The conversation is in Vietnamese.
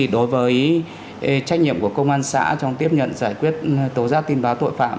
đối với trách nhiệm của công an xã trong tiếp nhận giải quyết tố giác tin báo tội phạm